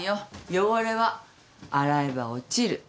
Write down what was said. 汚れは洗えば落ちる。